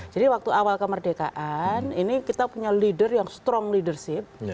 jadi waktu awal kemerdekaan ini kita punya leader yang strong leadership